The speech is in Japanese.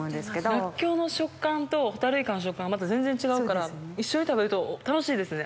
ラッキョウの食感とホタルイカの食感がまた全然違うから一緒に食べると楽しいですね。